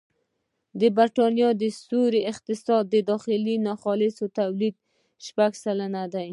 د بریتانیا سیوري اقتصاد د داخلي ناخالص توليد شپږ سلنه دی